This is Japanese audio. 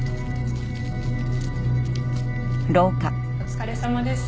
お疲れさまです。